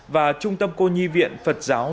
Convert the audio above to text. và trung tâm cô nhi viện phật giáo